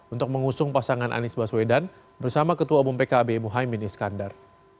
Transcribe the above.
untuk mengusung pasangan anies baswedan bersama ketua umum pkb muhaymin iskandar